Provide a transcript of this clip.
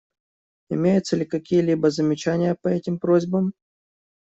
Имеются ли какие-либо замечания по этим просьбам?